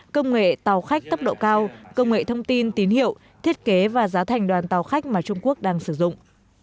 công nghệ tàu khách tốc độ cao công nghệ thông tin tín hiệu thiết kế và giá thành đoàn tàu khách mà trung quốc đang sử dụng